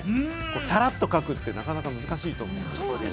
さらっと描くってなかなか難しいと思うんですよ。